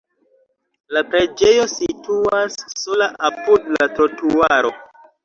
La preĝejo situas sola apud la trotuaro.